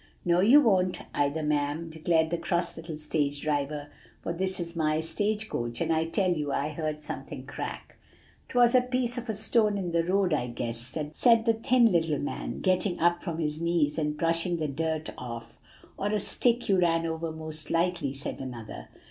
"'No you won't, either, ma'am,' declared the cross little stage driver; 'for this is my stage coach, and I tell you I heard something crack.' "''Twas a piece of a stone in the road, I guess,' said the thin little man, getting up from his knees, and brushing the dirt off. "'Or a stick you ran over most likely,' said another.